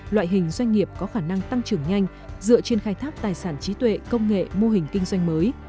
loại hình doanh nghiệp có khả năng tăng trưởng nhanh dựa trên khai thác tài sản trí tuệ công nghệ mô hình kinh doanh mới